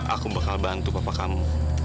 aku bakal bantu papa kamu